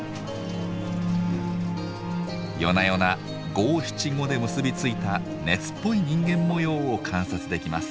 夜な夜な五・七・五で結びついた熱っぽい人間模様を観察できます。